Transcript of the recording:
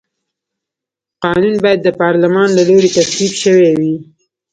قانون باید د پارلمان له لوري تصویب شوی وي.